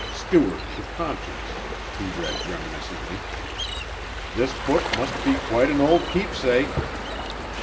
"'Stuart to Conscience,'" he read reminiscently. "This book must be quite an old keepsake."